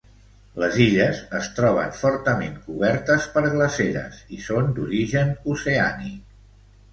Les illes es troben fortament cobertes per glaceres i són d'origen oceànic.